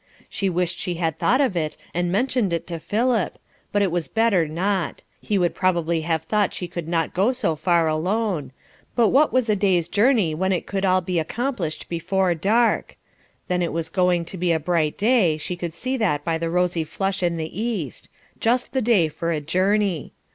She wished she had thought of it and mentioned it to Philip, but it was better not; he would probably have thought she could not go so far alone, but what was a day's journey when it could all be accomplished before dark; then it was going to be a bright day, she could see that by the rosy flush in the east; just the day for a journey.